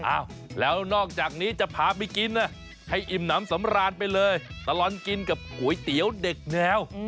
อ้าวแล้วนอกจากนี้จะพาไปกินนะให้อิ่มน้ำสำราญไปเลยตลอดกินกับก๋วยเตี๋ยวเด็กแนว